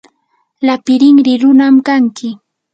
lapi rinri runam kanki.